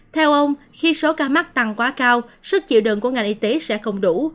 theo ông khi số ca mắc tăng quá cao sức chịu đựng của ngành y tế sẽ không đủ